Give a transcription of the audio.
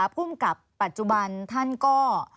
ผู้กำกับปัจจุบันท่านก็